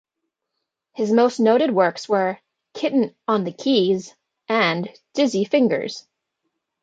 His most noted works were "Kitten on the Keys" and "Dizzy Fingers.